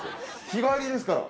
日帰りですから。